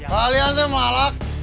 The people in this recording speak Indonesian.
kalian tuh malak